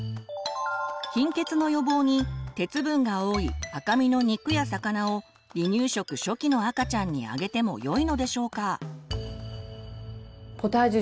貧血の予防に鉄分が多い赤身の肉や魚を離乳食初期の赤ちゃんにあげてもよいのでしょうか？